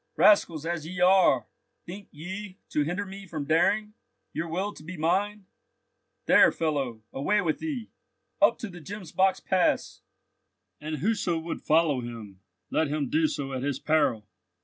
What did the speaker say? "Rascals as ye are, think ye to hinder me from daring? Your will to be mine? There, fellow; away with thee! Up to the Gemsbock's Pass! And whoso would follow him, let him do so at his peril!"